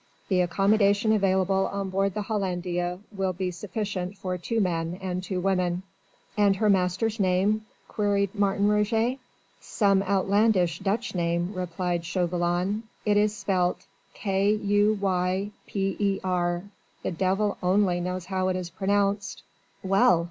The accommodation available on board the Hollandia will be sufficient for two men and two women." "And her master's name?" queried Martin Roget. "Some outlandish Dutch name," replied Chauvelin. "It is spelt K U Y P E R. The devil only knows how it is pronounced." "Well!